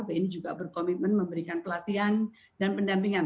bni juga berkomitmen memberikan pelatihan dan pendampingan